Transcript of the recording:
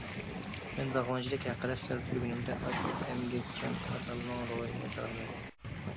مەن باغۋەنچىلىك ھەققىدە خىيال سۈرگىنىمدە، ئاشۇ ئەمگەكچان ئاتامنىڭ روھىنى سېغىنىمەن.